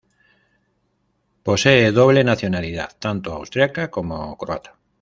Posee doble nacionalidad tanto austriaca como croata.